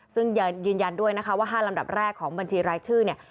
ซึ่งยืนยันด้วยนะคะว่า๕ลำดับแรกของบัญชีรายชื่อเนี่ย